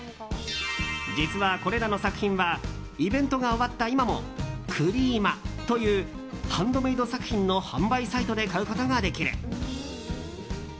実は、これらの作品はイベントが終わった今もＣｒｅｅｍａというハンドメイド作品の販売サイトで買うことができる。